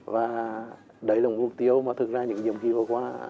và đấy là một mục tiêu mà thực ra những nhiệm kỳ vừa qua